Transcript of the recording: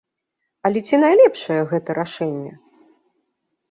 Але ці найлепшае гэта рашэнне?